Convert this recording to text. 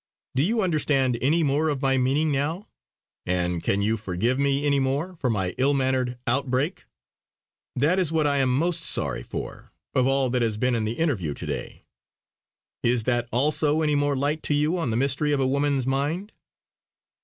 Do you understand any more of my meaning now? And can you forgive me any more for my ill mannered outbreak? That is what I am most sorry for, of all that has been in the interview to day. Is that also any more light to you on the mystery of a woman's mind?"